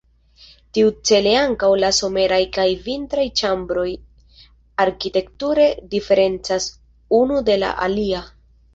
Tiu-cele ankaŭ la someraj kaj vintraj ĉambroj arkitekture diferencas unu de la alia.